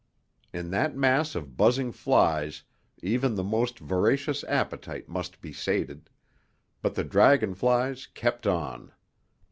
In that mass of buzzing flies even the most voracious appetite must be sated, but the dragonflies kept on.